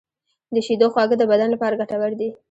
د شیدو خواږه د بدن لپاره ګټور دي.